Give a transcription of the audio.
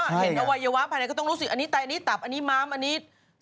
เห็นอวัยวะภายในก็ต้องรู้สึกอันนี้ไตอันนี้ตับอันนี้ม้ามอันนี้